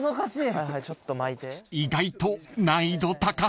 ［意外と難易度高そう］